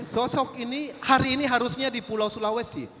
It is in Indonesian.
sosok ini hari ini harusnya di pulau sulawesi